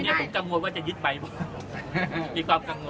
แต่ว่าคนเนี่ยผมกังวลว่าจะยึดไปพูดมีความกังวล